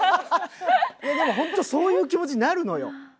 でも本当そういう気持ちになるのよ。